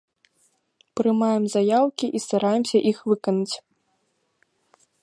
Прымаем заяўкі і стараемся іх выканаць.